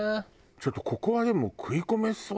ちょっとここはでも食い込めそう。